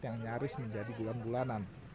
yang nyaris menjadi bulan bulanan